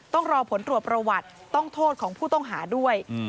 ต้องรอผลตรวจประวัติต้องโทษของผู้ต้องหาด้วย